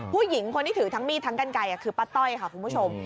ผู้หญิงคนที่ถือทั้งมีดทั้งกันไกลคือป้าต้อยค่ะคุณผู้ชม